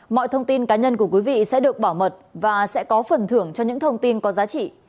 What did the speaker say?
mọi thông tin cá nhân của quý vị sẽ được bảo mật và sẽ có phần thưởng cho những thông tin có giá trị